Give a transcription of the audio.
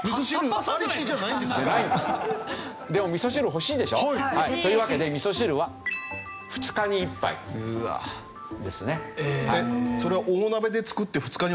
でもみそ汁欲しいでしょ？というわけでみそ汁は２日に１杯ですね。